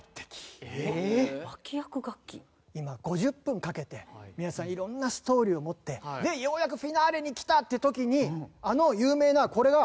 今５０分かけて皆さん色んなストーリーを持ってでようやくフィナーレにきた！っていう時にあの有名なこれが。